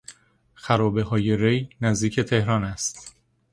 خرابههای ری نزدیک تهران است.